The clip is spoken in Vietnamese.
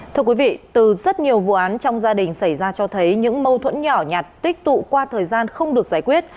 thưa quý vị từ rất nhiều vụ án trong gia đình xảy ra cho thấy những mâu thuẫn nhỏ nhặt tích tụ qua thời gian không được giải quyết